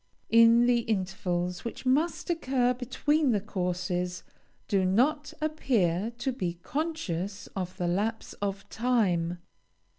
In the intervals which must occur between the courses, do not appear to be conscious of the lapse of time.